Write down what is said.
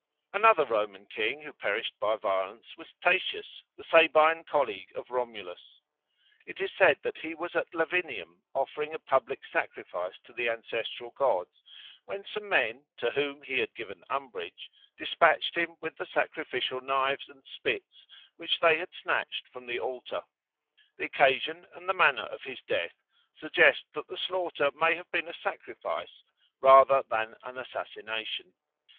Another Roman king who perished by violence was Tatius, the Sabine colleague of Romulus. It is said that he was at Lavinium offering a public sacrifice to the ancestral gods, when some men, to whom he had given umbrage, despatched him with the sacrificial knives and spits which they had snatched from the altar. The occasion and the manner of his death suggest that the slaughter may have been a sacrifice rather than an assassination.